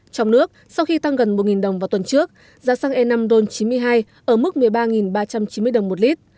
trong nước sau khi tăng gần một đồng vào tuần trước giá xăng e năm ron chín mươi hai ở mức một mươi ba ba trăm chín mươi đồng một lít